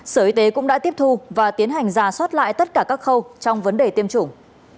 sở y tế cũng đã tiếp thu và tiến hành giả soát lại tất cả các khâu trong vấn đề tiêm chủng